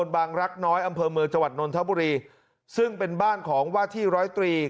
บางรักน้อยอำเภอเมืองจังหวัดนนทบุรีซึ่งเป็นบ้านของว่าที่ร้อยตรี